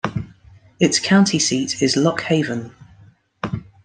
Its county seat is Lock Haven.